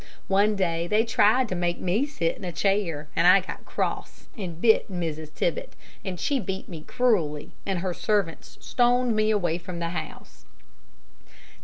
One day they tried to make me sit in a chair, and I got cross and bit Mrs. Tibbett, and she beat me cruelly, and her servants stoned me away from the house."